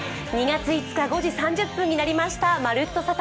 ２月５日５時３０分になりました「まるっと！